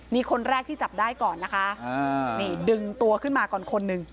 นี่คนแรกที่จับได้ก่อนนะคะนี่ดึงตัวขึ้นมาก่อนคนหนึ่ง